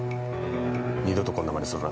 二度とこんな真似するな。